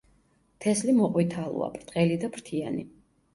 თესლი მოყვითალოა, ბრტყელი და ფრთიანი.